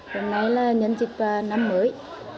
hôm nay là nhân dịch năm mới